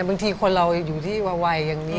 บางทีคนเราอยู่ที่วัยอย่างนี้